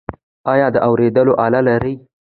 ایا د اوریدلو آله لرئ؟